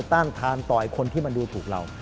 ต้านทานต่อยคนที่มันดูถูกเรา